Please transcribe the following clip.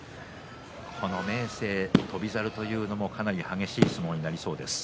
明生、翔猿というのも激しい相撲になりそうです。